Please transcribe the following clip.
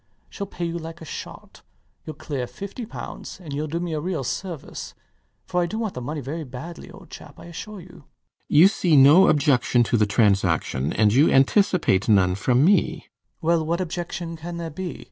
She'll pay you like a shot. Youll clear 50 pounds; and youll do me a real service; for I do want the money very badly, old chap, I assure you. RIDGEON [staring at him] You see no objection to the transaction; and you anticipate none from me! LOUIS. Well, what objection can there be?